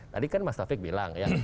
tadi kan mas taufik bilang ya